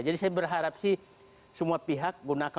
jadi saya berharap sih semua pihak